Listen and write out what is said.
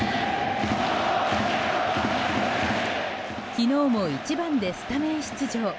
昨日も１番でスタメン出場。